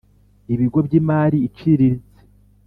Ibigo byimari iciriritse.